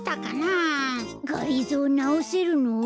がりぞーなおせるの？